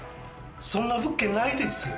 そんな物件ないですよ。